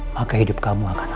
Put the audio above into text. maka hidup kamu akan